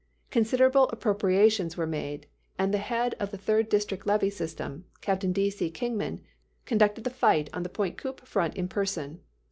Considerable appropriations were made, and the head of the third district levee system, Captain D. C. Kingman, conducted the fight on the Pointe Coupee front in person.